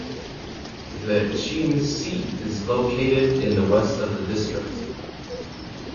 The Chiemsee is located in the west of the district.